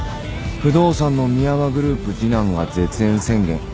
不動産の深山グループ次男が絶縁宣言。